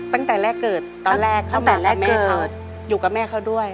ตั้งแต่แรกเกิดตอนแรกเขามากับแม่เขาอยู่กับแม่เขาด้วย